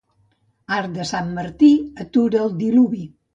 Arc de sant Martí atura el diluvi.